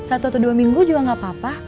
satu atau dua minggu juga gak apa apa